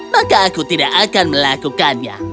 maka aku tidak akan melakukannya